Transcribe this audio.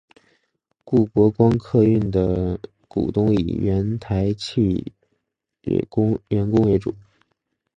故国光客运的股东以原台汽员工为主。